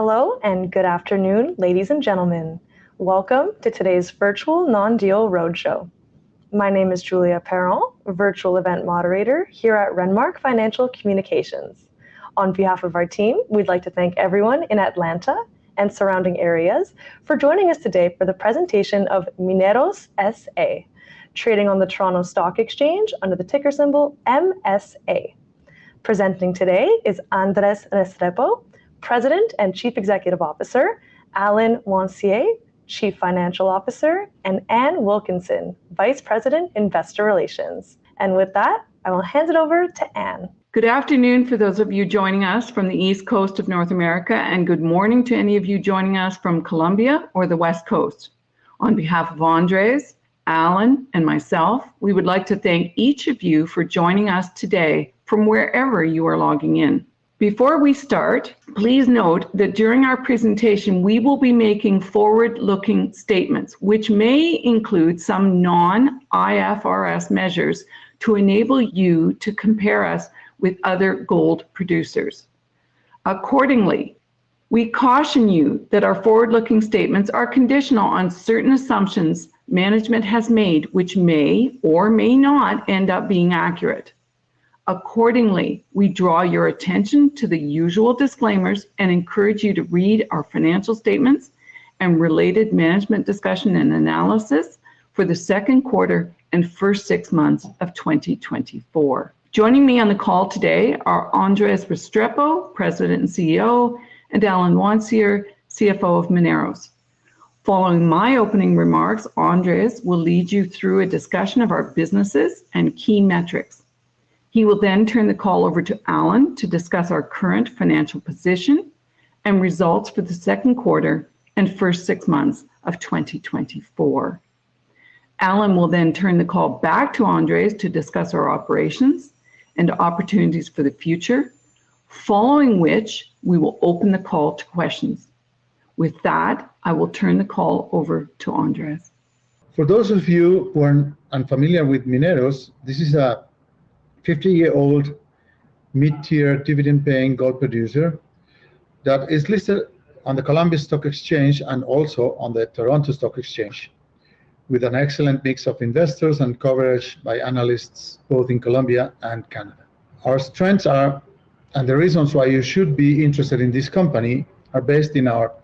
Hello, and good afternoon, ladies and gentlemen. Welcome to today's virtual non-deal roadshow. My name is Julia Parent, a virtual event moderator here at Renmark Financial Communications. On behalf of our team, we'd like to thank everyone in Atlanta and surrounding areas for joining us today for the presentation of Mineros S.A., trading on the Toronto Stock Exchange under the ticker symbol MSA. Presenting today is Andres Restrepo, President and Chief Executive Officer, Alain Wansiez, Chief Financial Officer, and Ana Wilkinson, Vice President, Investor Relations. And with that, I will hand it over to Ana. Good afternoon for those of you joining us from the East Coast of North America, and good morning to any of you joining us from Colombia or the West Coast. On behalf of Andres, Alain, and myself, we would like to thank each of you for joining us today from wherever you are logging in. Before we start, please note that during our presentation, we will be making forward-looking statements, which may include some non-IFRS measures to enable you to compare us with other gold producers. Accordingly, we caution you that our forward-looking statements are conditional on certain assumptions management has made, which may or may not end up being accurate. Accordingly, we draw your attention to the usual disclaimers and encourage you to read our financial statements and related management discussion and analysis for the second quarter and first six months of 2024. Joining me on the call today are Andres Restrepo, President and CEO, and Alain Wansiez, CFO of Mineros. Following my opening remarks, Andres will lead you through a discussion of our businesses and key metrics. He will then turn the call over to Alain to discuss our current financial position and results for the second quarter and first six months of twenty twenty-four. Alain will then turn the call back to Andres to discuss our operations and opportunities for the future, following which we will open the call to questions. With that, I will turn the call over to Andres. For those of you who are unfamiliar with Mineros, this is a 50-year-old mid-tier dividend-paying gold producer that is listed on the Colombia Stock Exchange and also on the Toronto Stock Exchange, with an excellent mix of investors and coverage by analysts, both in Colombia and Canada. Our strengths are, and the reasons why you should be interested in this company, are based in our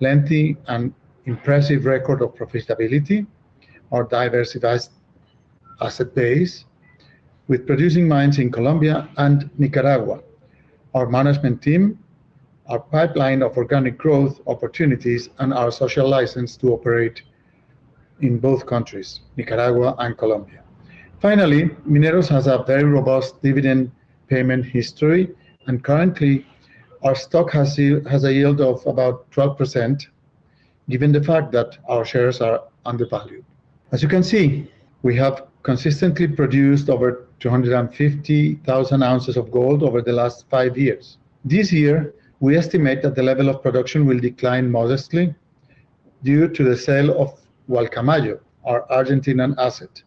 lengthy and impressive record of profitability, our diversified asset base with producing mines in Colombia and Nicaragua, our management team, our pipeline of organic growth opportunities, and our social license to operate in both countries, Nicaragua and Colombia. Finally, Mineros has a very robust dividend payment history, and currently, our stock has a yield of about 12%, given the fact that our shares are undervalued. As you can see, we have consistently produced over 250,000 ounces of gold over the last five years. This year, we estimate that the level of production will decline modestly due to the sale of Gualcamayo, our Argentinian asset,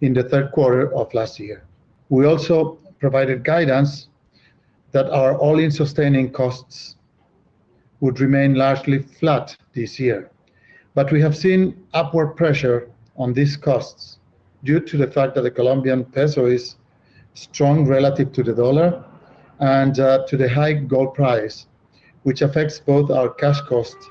in the third quarter of last year. We also provided guidance that our all-in sustaining costs would remain largely flat this year, but we have seen upward pressure on these costs due to the fact that the Colombian peso is strong relative to the dollar and to the high gold price, which affects both our cash costs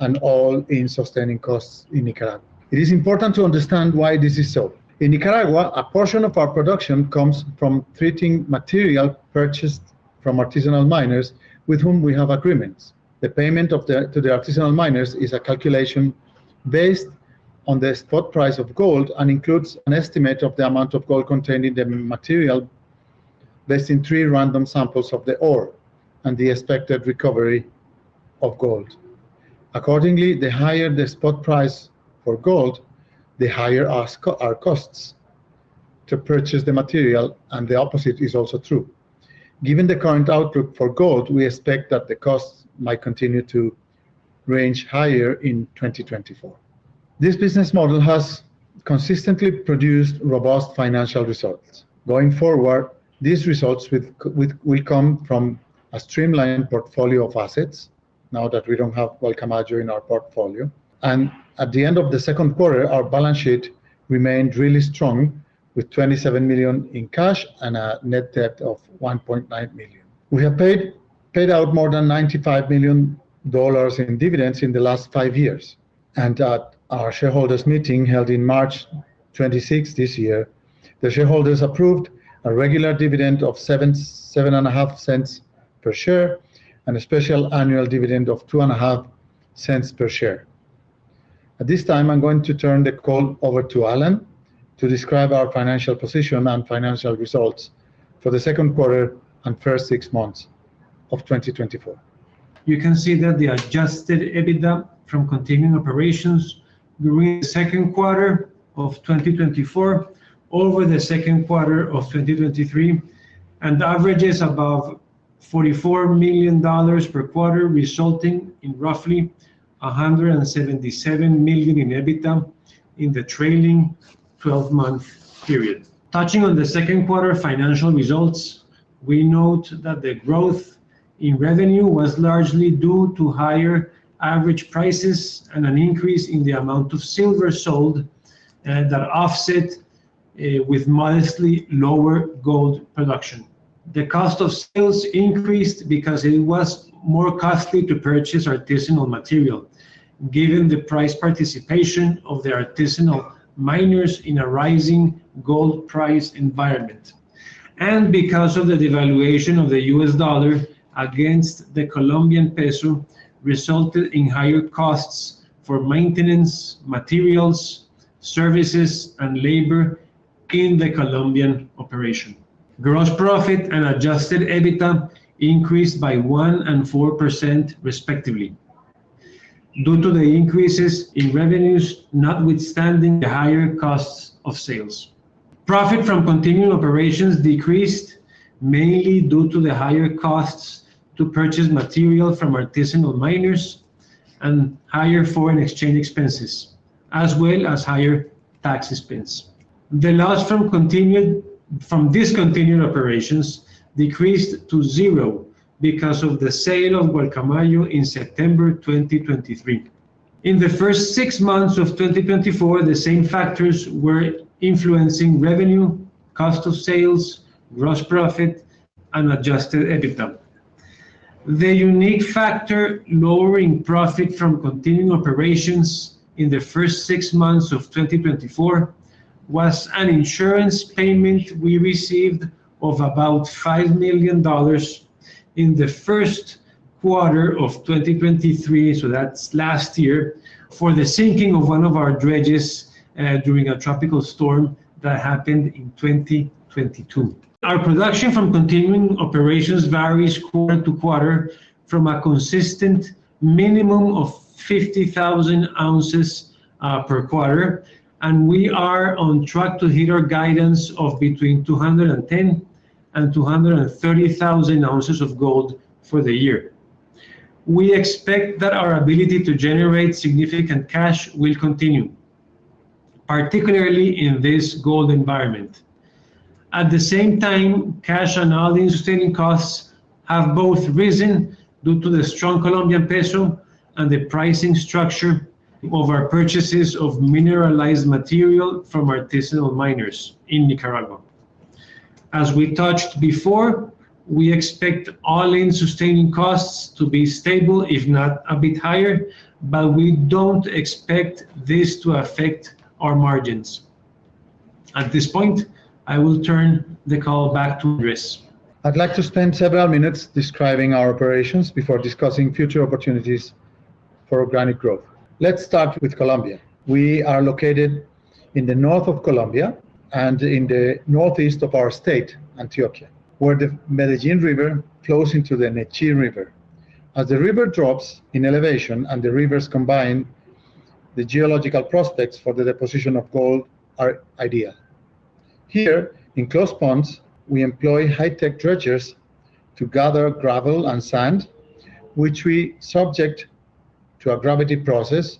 and all-in sustaining costs in Nicaragua. It is important to understand why this is so. In Nicaragua, a portion of our production comes from treating material purchased from artisanal miners with whom we have agreements. The payment to the artisanal miners is a calculation based on the spot price of gold and includes an estimate of the amount of gold contained in the material, based on three random samples of the ore and the expected recovery of gold. Accordingly, the higher the spot price for gold, the higher our costs to purchase the material, and the opposite is also true. Given the current outlook for gold, we expect that the costs might continue to range higher in 2024. This business model has consistently produced robust financial results. Going forward, these results will come from a streamlined portfolio of assets now that we don't have Gualcamayo in our portfolio. At the end of the second quarter, our balance sheet remained really strong, with $27 million in cash and a net debt of $1.9 million. We have paid out more than $95 million in dividends in the last five years, and at our shareholders' meeting, held in March 26th this year, the shareholders approved a regular dividend of $0.075 per share and a special annual dividend of $0.025 per share. At this time, I'm going to turn the call over to Alain to describe our financial position and financial results for the second quarter and first six months of 2024. You can see that the Adjusted EBITDA from continuing operations during the second quarter of 2024 over the second quarter of 2023, and averages above $44 million per quarter, resulting in roughly $177 million in EBITDA in the trailing 12-month period. Touching on the second quarter financial results. ...We note that the growth in revenue was largely due to higher average prices and an increase in the amount of silver sold, that offset, with modestly lower gold production. The cost of sales increased because it was more costly to purchase artisanal material, given the price participation of the artisanal miners in a rising gold price environment, and because of the devaluation of the U.S. dollar against the Colombian peso, resulted in higher costs for maintenance, materials, services, and labor in the Colombian operation. Gross profit and Adjusted EBITDA increased by 1% and 4% respectively due to the increases in revenues, notwithstanding the higher costs of sales. Profit from continuing operations decreased mainly due to the higher costs to purchase material from artisanal miners and higher foreign exchange expenses, as well as higher tax expense. The loss from discontinued operations decreased to zero because of the sale of Gualcamayo in September 2023. In the first six months of 2024, the same factors were influencing revenue, cost of sales, gross profit, and Adjusted EBITDA. The unique factor lowering profit from continuing operations in the first six months of 2024 was an insurance payment we received of about $5 million in the first quarter of 2023, so that's last year, for the sinking of one of our dredges during a tropical storm that happened in 2022. Our production from continuing operations varies quarter to quarter from a consistent minimum of 50,000 ounces per quarter, and we are on track to hit our guidance of between 210,000 and 230,000 ounces of gold for the year. We expect that our ability to generate significant cash will continue, particularly in this gold environment. At the same time, cash and all-in sustaining costs have both risen due to the strong Colombian peso and the pricing structure of our purchases of mineralized material from artisanal miners in Nicaragua. As we touched before, we expect all-in sustaining costs to be stable, if not a bit higher, but we don't expect this to affect our margins. At this point, I will turn the call back to Andres. I'd like to spend several minutes describing our operations before discussing future opportunities for organic growth. Let's start with Colombia. We are located in the north of Colombia and in the northeast of our state, Antioquia, where the Medellín River flows into the Nechí River. As the river drops in elevation and the rivers combine, the geological prospects for the deposition of gold are ideal. Here, in close ponds, we employ high-tech dredgers to gather gravel and sand, which we subject to a gravity process,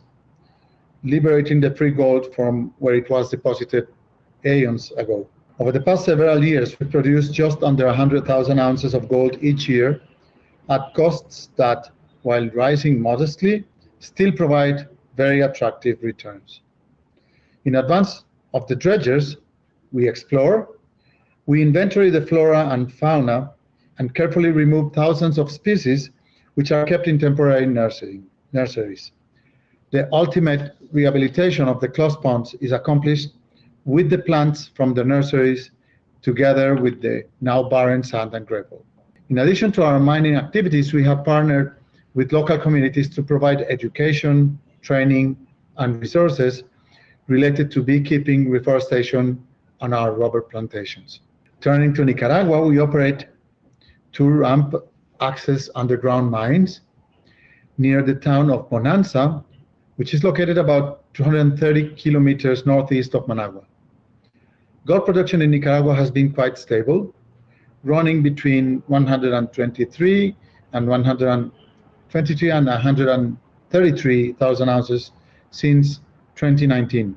liberating the free gold from where it was deposited eons ago. Over the past several years, we produced just under 100,000 ounces of gold each year at costs that, while rising modestly, still provide very attractive returns. In advance of the dredgers, we explore, we inventory the flora and fauna, and carefully remove thousands of species, which are kept in temporary nursery. The ultimate rehabilitation of the closed ponds is accomplished with the plants from the nurseries, together with the now barren sand and gravel. In addition to our mining activities, we have partnered with local communities to provide education, training, and resources related to beekeeping, reforestation, and our rubber plantations. Turning to Nicaragua, we operate two ramp-access underground mines near the town of Bonanza, which is located about 230 km northeast of Managua. Gold production in Nicaragua has been quite stable, running between 123,000 and 133,000 ounces since 2019,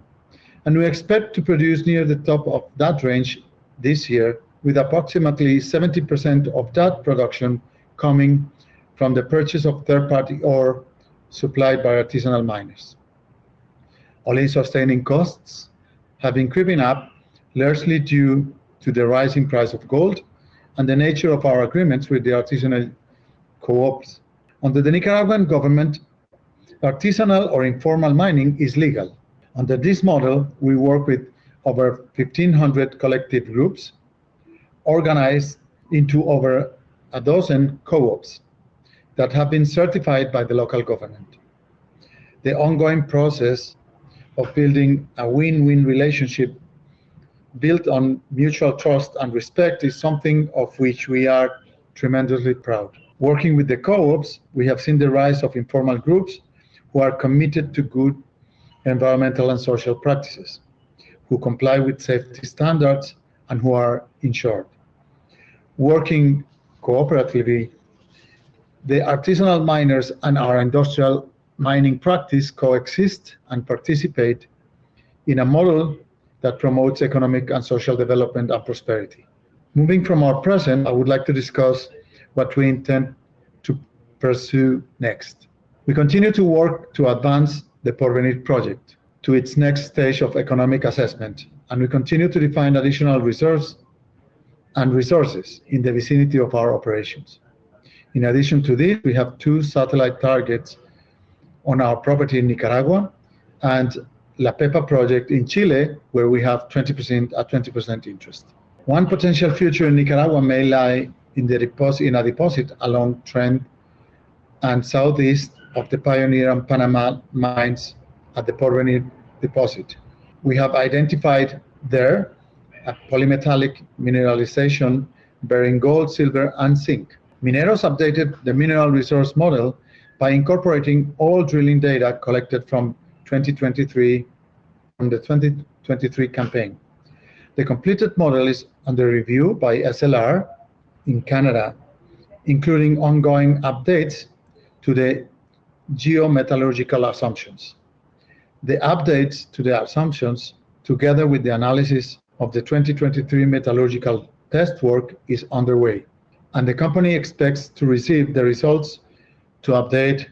and we expect to produce near the top of that range this year, with approximately 70% of that production coming from the purchase of third party ore supplied by artisanal miners. All-in sustaining costs have been creeping up, largely due to the rising price of gold and the nature of our agreements with the artisanal co-ops. Under the Nicaraguan government, artisanal or informal mining is legal. Under this model, we work with over 1,500 collective groups organized into over a dozen co-ops that have been certified by the local government. The ongoing process of building a win-win relationship built on mutual trust and respect is something of which we are tremendously proud. Working with the co-ops, we have seen the rise of informal groups who are committed to good environmental and social practices, who comply with safety standards, and who are insured. The artisanal miners and our industrial mining practice coexist and participate in a model that promotes economic and social development and prosperity. Moving from our present, I would like to discuss what we intend to pursue next. We continue to work to advance the Porvenir project to its next stage of economic assessment, and we continue to define additional reserves and resources in the vicinity of our operations. In addition to this, we have two satellite targets on our property in Nicaragua and La Pepa project in Chile, where we have 20%, a 20% interest. One potential future in Nicaragua may lie in the deposit, in a deposit along trend and southeast of the Pioneer and Panama mines at the Porvenir deposit. We have identified there a polymetallic mineralization bearing gold, silver, and zinc. Mineros updated the mineral resource model by incorporating all drilling data collected from 2023, from the 2023 campaign. The completed model is under review by SLR in Canada, including ongoing updates to the geometallurgical assumptions. The updates to the assumptions, together with the analysis of the 2023 metallurgical test work, is underway, and the company expects to receive the results to update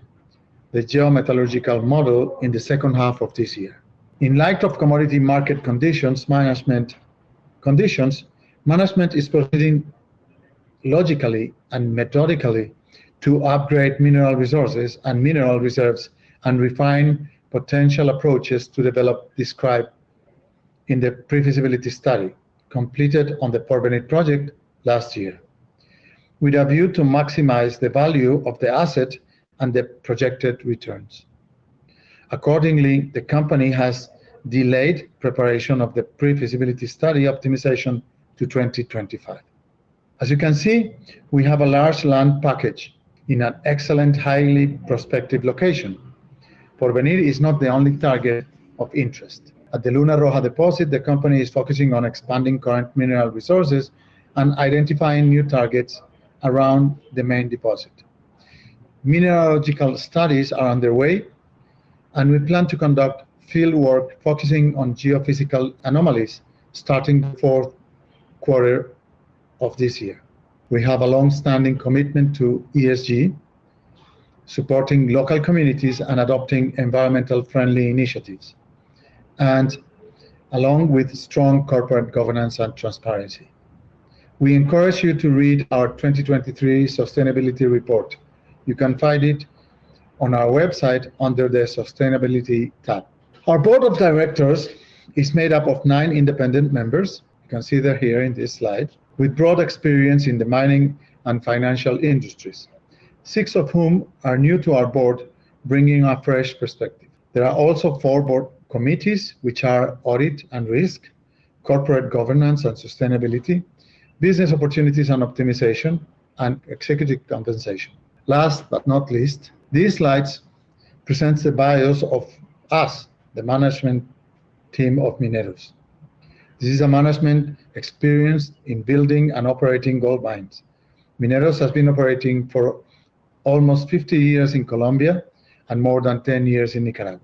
the geometallurgical model in the second half of this year. In light of commodity market conditions, management is proceeding logically and methodically to upgrade mineral resources and mineral reserves and refine potential approaches to develop, described in the pre-feasibility study completed on the Porvenir project last year, with a view to maximize the value of the asset and the projected returns. Accordingly, the company has delayed preparation of the pre-feasibility study optimization to 2025. As you can see, we have a large land package in an excellent, highly prospective location. Porvenir is not the only target of interest. At the Luna Roja deposit, the company is focusing on expanding current mineral resources and identifying new targets around the main deposit. Mineralogical studies are underway, and we plan to conduct field work focusing on geophysical anomalies starting the fourth quarter of this year. We have a long-standing commitment to ESG, supporting local communities and adopting environmentally friendly initiatives, and along with strong corporate governance and transparency. We encourage you to read our 2023 sustainability report. You can find it on our website under the Sustainability tab. Our board of directors is made up of nine independent members. You can see them here in this slide, with broad experience in the mining and financial industries, six of whom are new to our board, bringing a fresh perspective. There are also four board committees, which are Audit and Risk, Corporate Governance and Sustainability, Business Opportunities and Optimization, and Executive Compensation. Last but not least, these slides present the bios of us, the management team of Mineros. This is a management experience in building and operating gold mines. Mineros has been operating for almost 50 years in Colombia and more than 10 years in Nicaragua.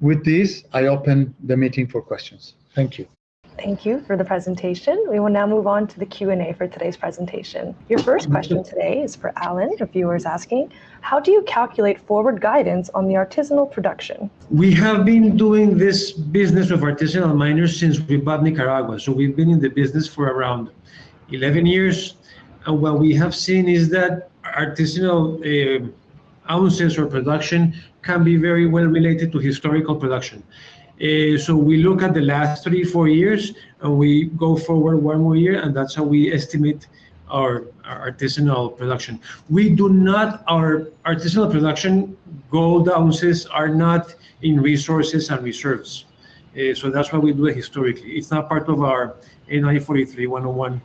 With this, I open the meeting for questions. Thank you. Thank you for the presentation. We will now move on to the Q&A for today's presentation. Your first question today is for Alain. A viewer is asking: How do you calculate forward guidance on the artisanal production? We have been doing this business of artisanal miners since we bought Nicaragua, so we've been in the business for around 11 years, and what we have seen is that artisanal ounces or production can be very well related to historical production, so we look at the last three, four years, and we go forward one more year, and that's how we estimate our artisanal production. Our artisanal production gold ounces are not in resources and reserves, so that's why we do it historically. It's not part of our NI 43-101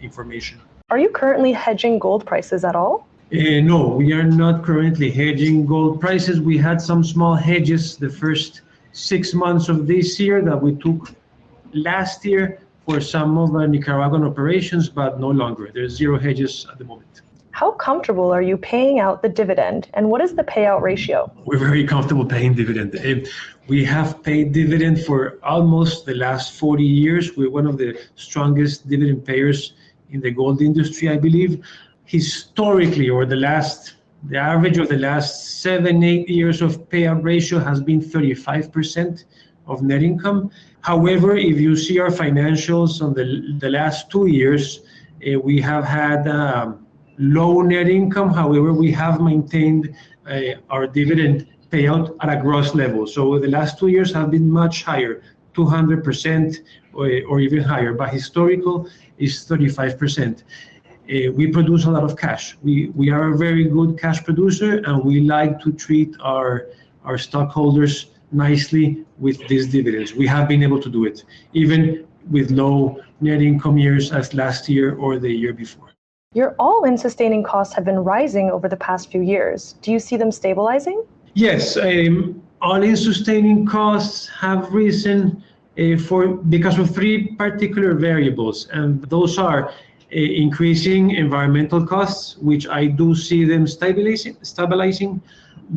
information. Are you currently hedging gold prices at all? No, we are not currently hedging gold prices. We had some small hedges the first six months of this year that we took last year for some of our Nicaraguan operations, but no longer. There are zero hedges at the moment. How comfortable are you paying out the dividend, and what is the payout ratio? We're very comfortable paying dividend, and we have paid dividend for almost the last 40 years. We're one of the strongest dividend payers in the gold industry, I believe. Historically, over the last the average of the last seven, eight years of payout ratio has been 35% of net income. However, if you see our financials on the last two years, we have had low net income. However, we have maintained our dividend payout at a gross level. So the last two years have been much higher, 200% or even higher, but historical is 35%. We produce a lot of cash. We are a very good cash producer, and we like to treat our stockholders nicely with these dividends. We have been able to do it, even with low net income years, as last year or the year before. Your all-in sustaining costs have been rising over the past few years. Do you see them stabilizing?... Yes, all-in sustaining costs have risen for because of three particular variables, and those are increasing environmental costs, which I do see them stabilizing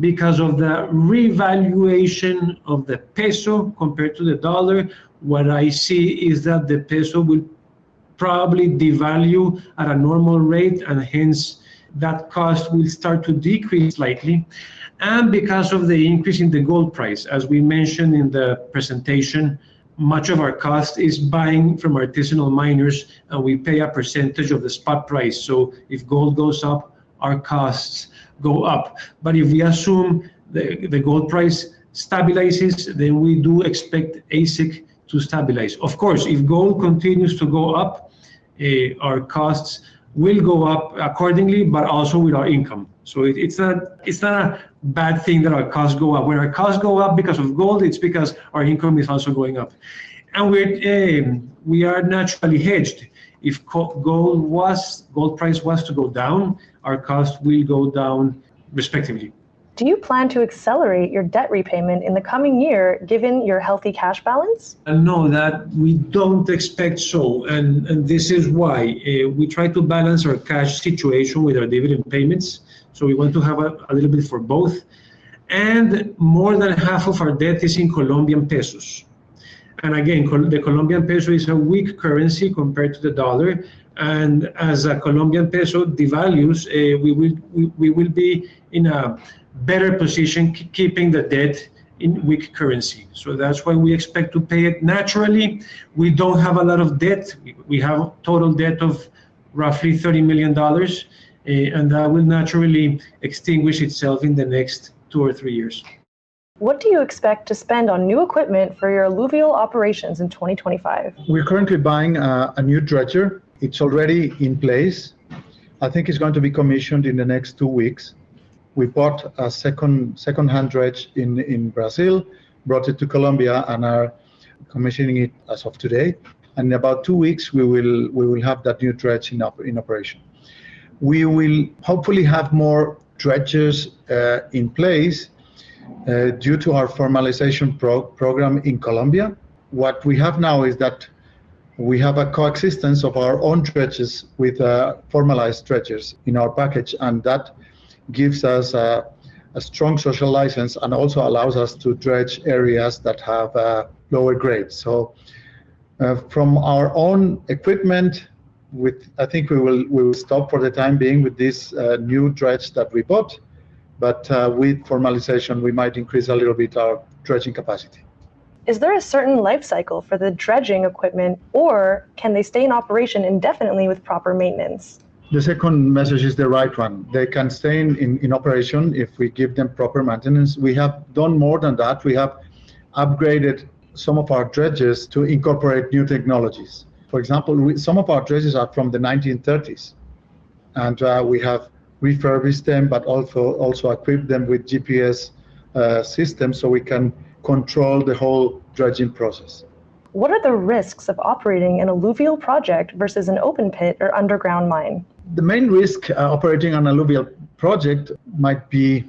because of the revaluation of the peso compared to the dollar. What I see is that the peso will probably devalue at a normal rate, and hence, that cost will start to decrease slightly. Because of the increase in the gold price, as we mentioned in the presentation, much of our cost is buying from artisanal miners, and we pay a percentage of the spot price. So if gold goes up, our costs go up. If we assume the gold price stabilizes, then we do expect AISC to stabilize. Of course, if gold continues to go up, our costs will go up accordingly, but also with our income. It's not a bad thing that our costs go up. When our costs go up because of gold, it's because our income is also going up. And we are naturally hedged. If gold price was to go down, our cost will go down respectively. Do you plan to accelerate your debt repayment in the coming year, given your healthy cash balance? No, that we don't expect so, and this is why. We try to balance our cash situation with our dividend payments, so we want to have a little bit for both, and more than half of our debt is in Colombian pesos, and again, the Colombian peso is a weak currency compared to the dollar, and as the Colombian peso devalues, we will be in a better position keeping the debt in weak currency. So that's why we expect to pay it naturally. We don't have a lot of debt. We have a total debt of roughly $30 million, and that will naturally extinguish itself in the next two or three years. What do you expect to spend on new equipment for your alluvial operations in 2025? We're currently buying a new dredge. It's already in place. I think it's going to be commissioned in the next two weeks. We bought a second-hand dredge in Brazil, brought it to Colombia, and are commissioning it as of today, and in about two weeks, we will have that new dredge in operation. We will hopefully have more dredges in place due to our formalization program in Colombia. What we have now is that we have a coexistence of our own dredges with formalized dredges in our package, and that gives us a strong social license and also allows us to dredge areas that have lower grades, so from our own equipment, with... I think we will stop for the time being with this new dredge that we bought, but with formalization, we might increase a little bit our dredging capacity. Is there a certain life cycle for the dredging equipment, or can they stay in operation indefinitely with proper maintenance? The second message is the right one. They can stay in operation if we give them proper maintenance. We have done more than that. We have upgraded some of our dredges to incorporate new technologies. For example, some of our dredges are from the 1930s, and we have refurbished them, but also equipped them with GPS system, so we can control the whole dredging process. What are the risks of operating an alluvial project versus an open pit or underground mine? The main risk operating on alluvial project might be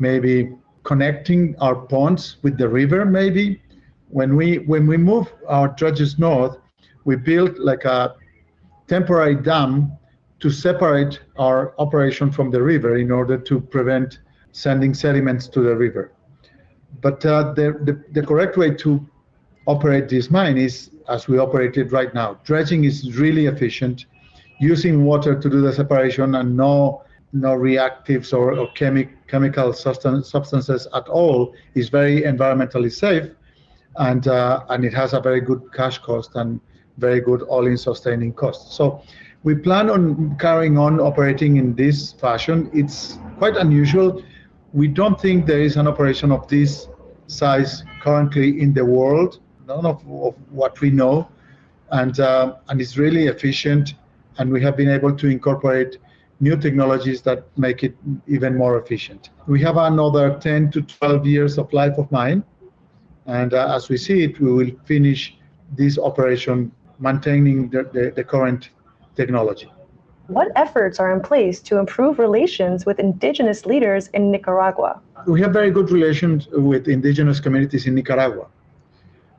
maybe connecting our ponds with the river, maybe. When we move our dredges north, we build, like, a temporary dam to separate our operation from the river in order to prevent sending sediments to the river. But the correct way to operate this mine is as we operate it right now. Dredging is really efficient. Using water to do the separation and no reactives or chemical substances at all is very environmentally safe, and it has a very good cash cost and very good all-in sustaining costs. So we plan on carrying on operating in this fashion. It's quite unusual. We don't think there is an operation of this size currently in the world, none of what we know, and it's really efficient, and we have been able to incorporate new technologies that make it even more efficient. We have another 10-12 years of life of mine, and as we see it, we will finish this operation maintaining the current technology. What efforts are in place to improve relations with indigenous leaders in Nicaragua? We have very good relations with indigenous communities in Nicaragua.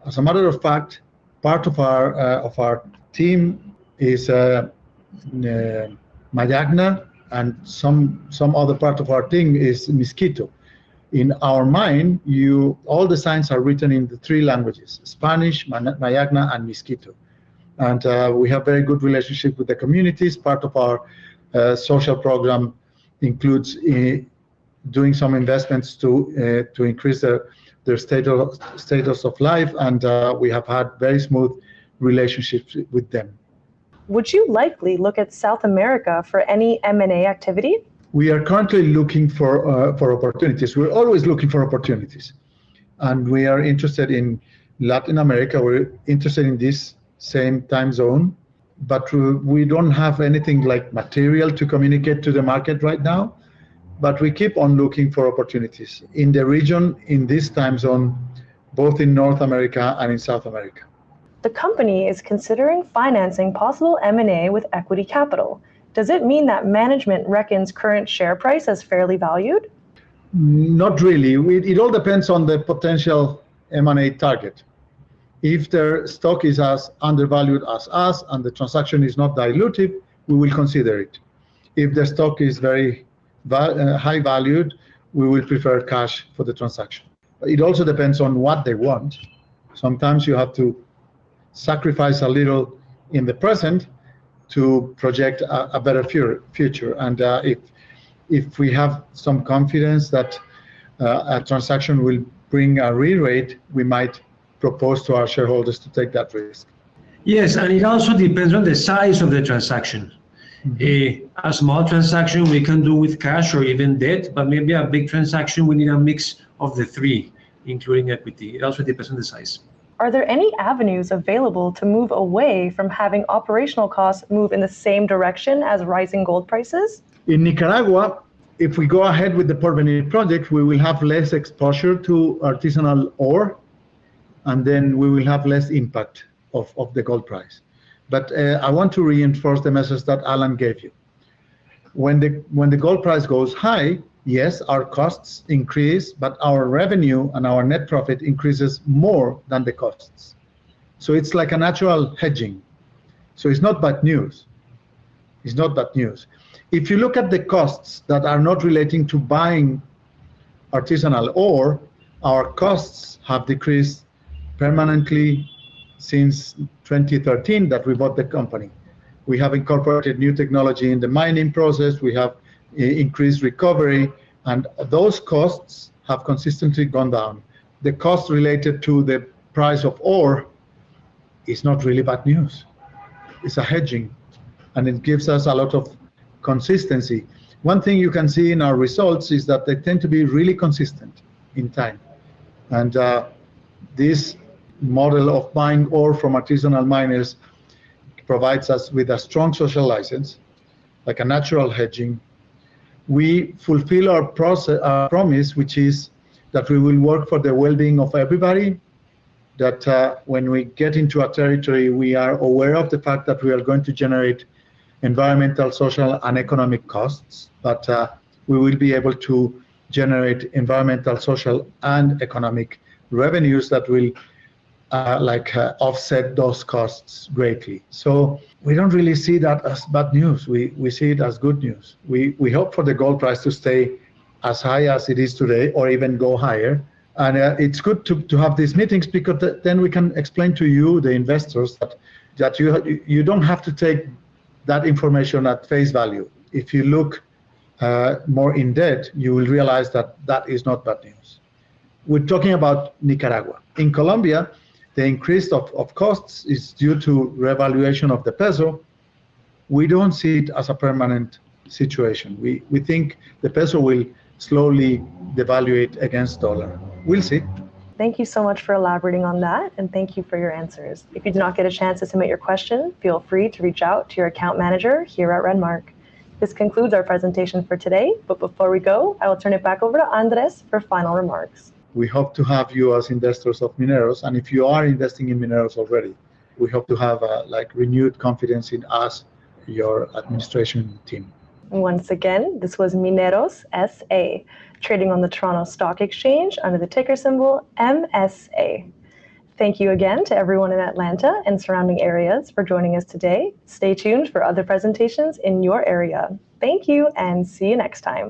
As a matter of fact, part of our team is Mayangna, and some other part of our team is Miskito. In our mine, all the signs are written in the three languages: Spanish, Mayangna, and Miskito. We have very good relationship with the communities. Part of our social program includes doing some investments to increase their status of life, and we have had very smooth relationships with them. Would you likely look at South America for any M&A activity? We are currently looking for opportunities. We're always looking for opportunities, and we are interested in Latin America. We're interested in this same time zone, but we don't have anything like material to communicate to the market right now. But we keep on looking for opportunities in the region, in this time zone, both in North America and in South America.... The company is considering financing possible M&A with equity capital. Does it mean that management reckons current share price as fairly valued? Not really. It all depends on the potential M&A target. If their stock is as undervalued as us and the transaction is not diluted, we will consider it. If the stock is very high valued, we will prefer cash for the transaction. It also depends on what they want. Sometimes you have to sacrifice a little in the present to project a better future. If we have some confidence that a transaction will bring a re-rate, we might propose to our shareholders to take that risk. Yes, and it also depends on the size of the transaction. Mm-hmm. A small transaction we can do with cash or even debt, but maybe a big transaction, we need a mix of the three, including equity. It also depends on the size. Are there any avenues available to move away from having operational costs move in the same direction as rising gold prices? In Nicaragua, if we go ahead with the Porvenir project, we will have less exposure to artisanal ore, and then we will have less impact of the gold price. But I want to reinforce the message that Alain gave you. When the gold price goes high, yes, our costs increase, but our revenue and our net profit increases more than the costs. So it's like a natural hedging, so it's not bad news. It's not bad news. If you look at the costs that are not relating to buying artisanal ore, our costs have decreased permanently since 2013 that we bought the company. We have incorporated new technology in the mining process. We have increased recovery, and those costs have consistently gone down. The cost related to the price of ore is not really bad news. It's a hedging, and it gives us a lot of consistency. One thing you can see in our results is that they tend to be really consistent in time, and this model of buying ore from artisanal miners provides us with a strong social license, like a natural hedging. We fulfill our promise, which is that we will work for the well-being of everybody, that when we get into a territory, we are aware of the fact that we are going to generate environmental, social, and economic costs. But we will be able to generate environmental, social, and economic revenues that will like offset those costs greatly. So we don't really see that as bad news. We see it as good news. We hope for the gold price to stay as high as it is today or even go higher, and it's good to have these meetings because then we can explain to you, the investors, that you don't have to take that information at face value. If you look more in-depth, you will realize that that is not bad news. We're talking about Nicaragua. In Colombia, the increase of costs is due to revaluation of the peso. We don't see it as a permanent situation. We think the peso will slowly devalue against dollar. We'll see. Thank you so much for elaborating on that, and thank you for your answers. If you did not get a chance to submit your question, feel free to reach out to your account manager here at Renmark. This concludes our presentation for today, but before we go, I will turn it back over to Andres for final remarks. We hope to have you as investors of Mineros, and if you are investing in Mineros already, we hope to have a, like, renewed confidence in us, your administration team. Once again, this was Mineros S.A., trading on the Toronto Stock Exchange under the ticker symbol MSA. Thank you again to everyone in Atlanta and surrounding areas for joining us today. Stay tuned for other presentations in your area. Thank you, and see you next time!